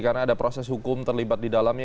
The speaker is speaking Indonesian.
karena ada proses hukum terlibat di dalamnya